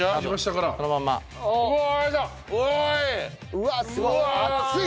うわっすごい！